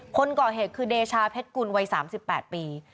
คนก่อเหตุคือเดชาเพชรกุลวัย๓๘ปี